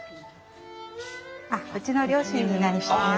うちの両親になります。